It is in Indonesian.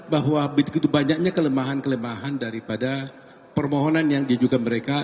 bahwa begitu banyaknya kelemahan kelemahan daripada permohonan yang diajukan mereka